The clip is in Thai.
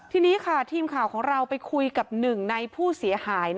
ทีนี้ค่ะทีมข่าวของเราไปคุยกับหนึ่งในผู้เสียหาย